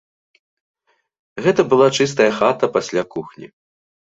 Гэта была чыстая хата пасля кухні.